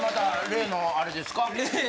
例のあれです。